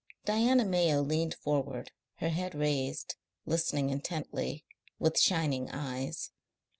Diana Mayo leaned forward, her head raised, listening intently, with shining eyes.